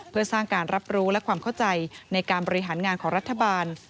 เพื่อสร้างการรับรู้และความเข้าใจในการบริหารงานของรัฐบาล